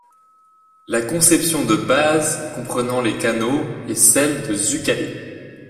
La conception de base comprenant les canaux est celle de Zucalli.